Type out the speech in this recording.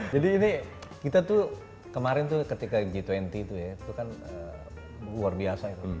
jadi ini kita tuh kemarin ketika g dua puluh itu kan luar biasa